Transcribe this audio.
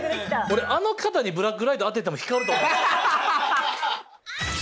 俺あの方にブラックライト当てても光ると思う。